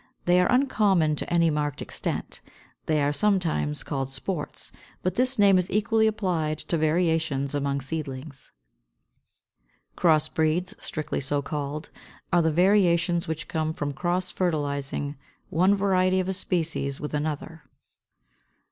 They are uncommon to any marked extent. They are sometimes called Sports, but this name is equally applied to variations among seedlings. CROSS BREEDS, strictly so called, are the variations which come from cross fertilizing one variety of a species with another.